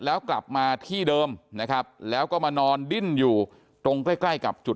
แล้วกลับมาที่เดิมนะครับแล้วก็มานอนดิ้นอยู่ตรงใกล้ใกล้กับจุด